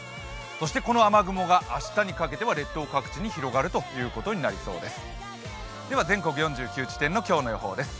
そしてこの雨雲が明日にかけては列島各地に広がるということになりそうです。